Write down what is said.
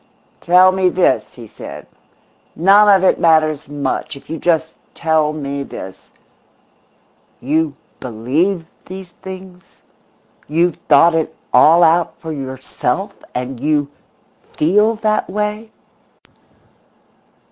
"Tell me this," he said. "None of it matters much, if you just tell me this: You believe these things? You've thought it all out for yourself and you feel that way?